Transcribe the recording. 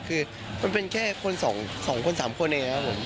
คือมันเป็นแค่คนสองสองคนสามคนเองครับผม